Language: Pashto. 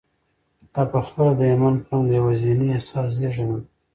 دا پخپله د ایمان په نوم د یوه ذهني احساس زېږنده ده